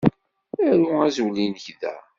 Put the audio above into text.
Aru azwel-inek da.